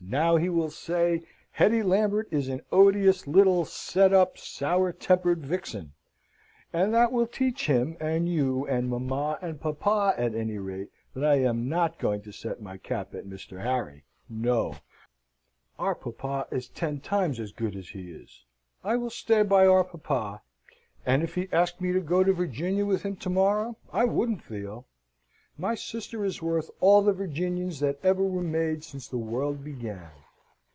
Now he will say, Hetty Lambert is an odious little set up, sour tempered vixen. And that will teach him, and you, and mamma, and papa, at any rate, that I am not going to set my cap at Mr. Harry. No; our papa is ten times as good as he is. I will stay by our papa, and if he asked me to go to Virginia with him to morrow, I wouldn't, Theo. My sister is worth all the Virginians that ever were made since the world began."